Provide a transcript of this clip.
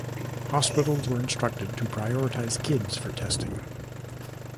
Hospitals were instructed to prioritize kids for testing.